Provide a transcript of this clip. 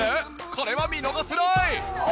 これは見逃せない！